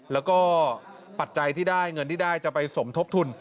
แล้วก็ปัจจัยที่ได้เงินที่ได้จะไปสมทบทุน